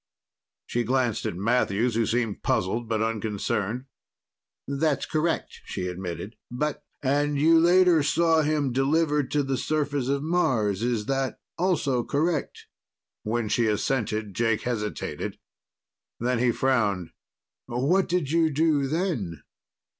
She glanced at Matthews, who seemed puzzled but unconcerned. "That's correct," she admitted. "But " "And you later saw him delivered to the surface of Mars. Is that also correct?" When she assented, Jake hesitated. Then he frowned. "What did you do then?